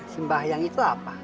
sembahyang itu apa